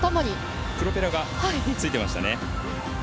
プロペラがついていましたね。